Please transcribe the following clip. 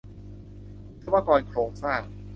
วิศวกรโครงสร้าง